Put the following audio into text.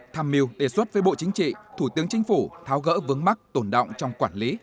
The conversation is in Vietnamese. tham mưu đề xuất với bộ chính trị thủ tướng chính phủ tháo gỡ vướng mắt tồn động trong quản lý